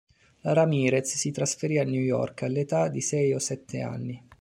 La Ramirez si trasferì a New York all'età di sei o sette anni.